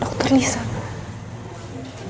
dokter lisa kok malam malam telepon